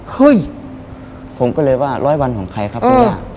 เฮ้ยผมก็เลยว่าร้อยวันของใครครับคุณย่า